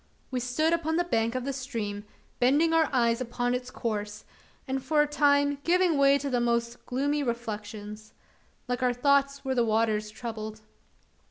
We stood upon the bank of the stream, bending our eyes upon its course, and for a time giving way to the most gloomy reflections. Like our thoughts were the waters troubled.